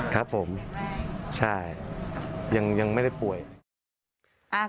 ครับผมใช่ยังไม่ได้ป่วยแข็งแรง